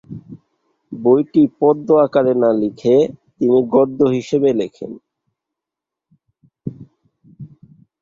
বইটি পদ্য আকারে না লিখে তিনি গদ্য হিসেবে লেখেন।